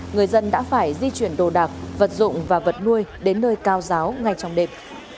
người dân đã phải di chuyển đồ đạc vật dụng và vật nuôi đến nơi cao giáo ngay trong đêm